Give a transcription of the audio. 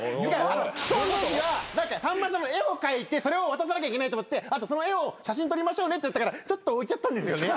そんときはさんまさんの絵を描いてそれを渡さなきゃいけないと思ってその絵を写真撮りましょうねって言ったからちょっと置いちゃったんですよね。